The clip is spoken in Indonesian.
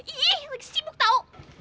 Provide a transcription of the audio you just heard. ih lagi sibuk tau